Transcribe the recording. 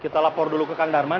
kita lapor dulu ke kang darman